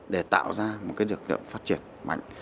để tạo ra một cái lực lượng phát triển mạnh